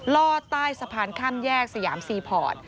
ลอดใต้สะพานข้ามแยกสยามซีพอร์ต